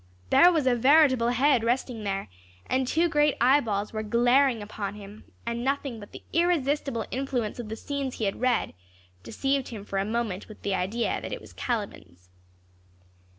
There was a veritable head resting there, and two great eyeballs were glaring upon him, and nothing but the irresistible influence of the scenes he had read deceived him for a moment with the idea that it was Caliban's.